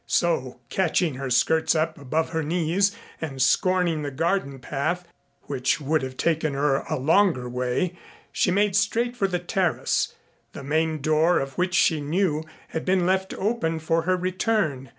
So catching her skirts up above her knees and scorning the garden path which would have taken her a longer way, she made straight for the terrace, the main door of which she knew had been left open for her return.